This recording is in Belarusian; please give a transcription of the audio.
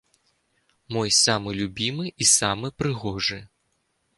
Мой самы любімы і самы прыгожы.